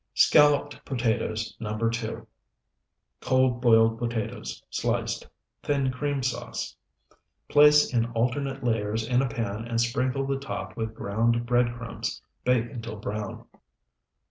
SCALLOPED POTATOES NO. 2 Cold, boiled potatoes, sliced. Thin cream sauce. Place in alternate layers in a pan and sprinkle the top with ground bread crumbs. Bake until brown.